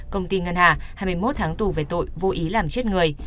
công ty ngân hà hai mươi một tháng tù về tội vô ý làm chết người